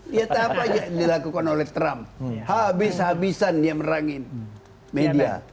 dia tahu apa yang dilakukan oleh trump habis habisan dia merangin media